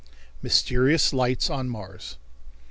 Mysterious Lights on Mars.